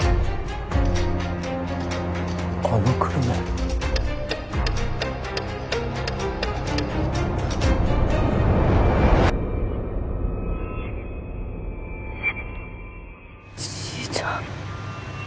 あの車ちーちゃん